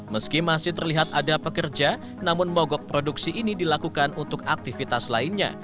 meski masih terlihat ada pekerja namun mogok produksi ini dilakukan untuk aktivitas lainnya